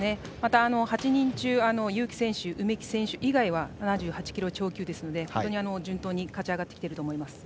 ８人中、結城選手梅木選手以外は７８キロ超級なので順当に勝ち上がってきていると思います。